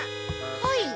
はい。